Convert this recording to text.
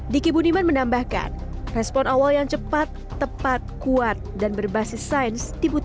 diki budiman menambahkan respon awal yang cepat tepat kuat dan berbasis sains dibutuhkan